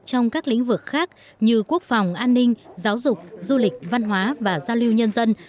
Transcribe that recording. trong các lĩnh vực khác như quốc phòng an ninh giáo dục du lịch văn hóa và giao lưu nhân dân